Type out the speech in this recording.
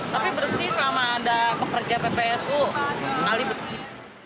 tapi bersih selama ada pekerja ppsu kali bersih